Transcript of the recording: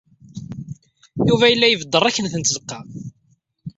Yuba yella ybedd ṛeknet n tzeqqa.